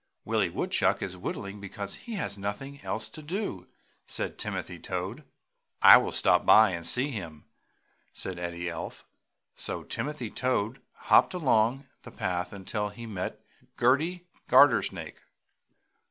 "Willie Woodchuck is whittling because he has nothing else to do!" said Timothy Toad. "I will stop by and see him!" said Eddie Elf. So Timothy Toad hopped along the path until he met Gerty Gartersnake.